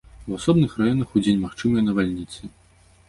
У асобных раёнах удзень магчымыя навальніцы.